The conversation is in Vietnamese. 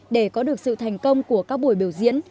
để có được sự thành công của các buổi biểu diễn